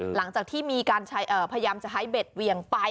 หลังจากที่มีการพยายามจะให้เบ็ดเวียงไป